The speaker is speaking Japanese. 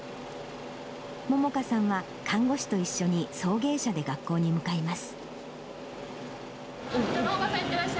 萌々華さんは看護師と一緒に送迎車で学校に向かいます。